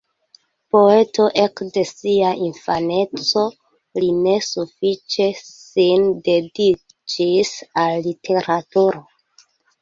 Poeto ekde sia infaneco, li ne sufiĉe sin dediĉis al literaturo.